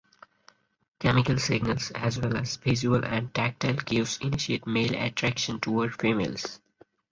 Chemical signals as well as visual and tactile cues initiate male attraction toward females.